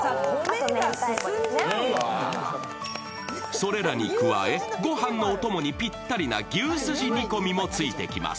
それらに加え御飯のお供にぴったりな牛スジ煮込みもついてきます。